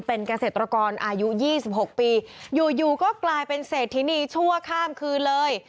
เป็นเกษตรกรอายุ๒๖ปีอยู่อยู่ก็กลายเป็นเศรษฐินีชั่วข้ามคืนเลย